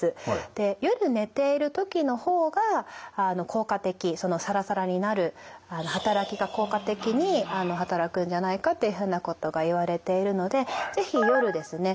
で夜寝ている時の方が効果的サラサラになる働きが効果的に働くんじゃないかっていうふうなことがいわれているので是非夜ですね